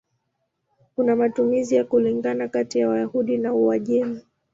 Kuna matumizi ya kulingana kati ya Wayahudi wa Uajemi.